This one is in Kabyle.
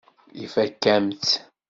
Ifakk-am-tt.